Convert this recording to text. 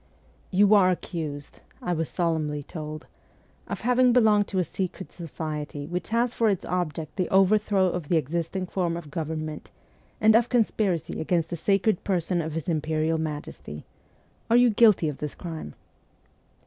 ' You are accused/ I was solemnly told, ' of having belonged to a secret society which has for its object the overthrow of the existing form of govern ment, and of conspiracy against the sacred person of his Imperial Majesty. Are you guilty of this crime